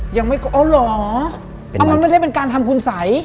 อ๋อหรอมันไม่ได้เป็นการทำคุณศัย